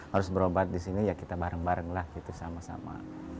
harus berobat di sini ya kita bareng barenglah sama sama